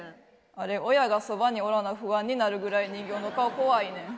あれ親がそばにおらな不安になるぐらい人形の顔怖いねん。